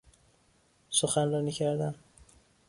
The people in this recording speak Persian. سخنرانی کردن